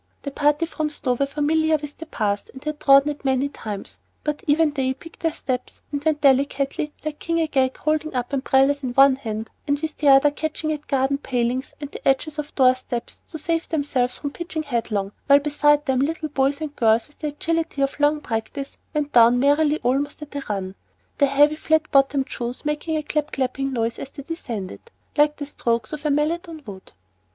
The party from Stowe were familiar with the path, and had trodden it many times, but even they picked their steps, and went "delicately" like King Agag, holding up umbrellas in one hand, and with the other catching at garden palings and the edges of door steps to save themselves from pitching headlong, while beside them little boys and girls with the agility of long practice, went down merrily almost at a run, their heavy, flat bottomed shoes making a clap clap clapping noise as they descended, like the strokes of a mallet on wood.